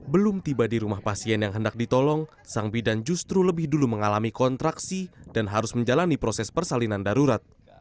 belum tiba di rumah pasien yang hendak ditolong sang bidan justru lebih dulu mengalami kontraksi dan harus menjalani proses persalinan darurat